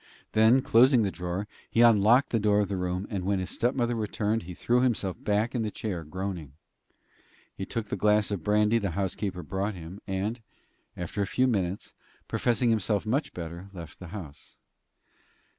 Then, closing the drawer, he unlocked the door of the room, and when his step mother returned he threw himself back in his chair, groaning. He took the glass of brandy the housekeeper brought him, and, after a few minutes, professing himself much better, left the house.